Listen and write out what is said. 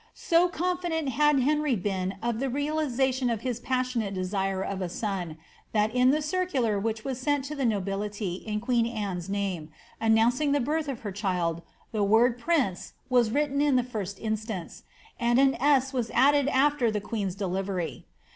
So confident had Henry been of the realisation of his passionate desire of a son, that in the circular which was sent to the nobility in queen Anne's name, announcing the birth of her child, the word prince was written in the first instance, and an 8 was added after the queen^s deli very.